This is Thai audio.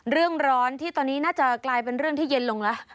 ร้อนที่ตอนนี้น่าจะกลายเป็นเรื่องที่เย็นลงแล้ว